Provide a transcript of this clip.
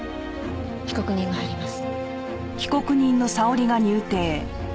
被告人が入ります。